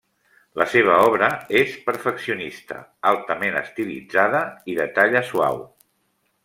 La seva obra és perfeccionista, altament estilitzada, i de talla suau.